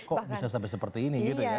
kok bisa sampai seperti ini gitu ya